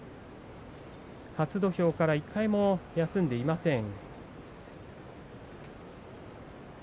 初土俵から１回も休んでいません。